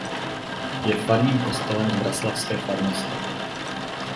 Je farním kostelem zbraslavské farnosti.